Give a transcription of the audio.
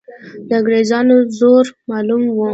د انګریزانو زور معلوم وو.